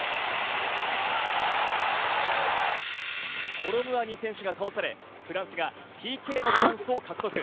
コロムアニ選手が倒され、フランスがＰＫのチャンスを獲得。